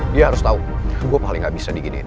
dia harus tau gue paling gak bisa diginiin